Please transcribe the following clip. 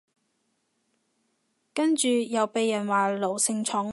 跟住又被人話奴性重